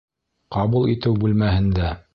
Ҡабул итеү бүлмәһендә.